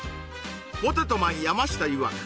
ポテトマン山下いわく